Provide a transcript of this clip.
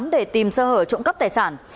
để tìm sơ hở trộm cắp tài sản